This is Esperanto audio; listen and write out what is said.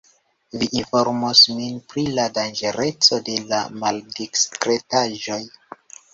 Vi informas min pri la danĝereco de la maldiskretaĵoj.